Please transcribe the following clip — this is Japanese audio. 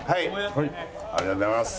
ありがとうございます。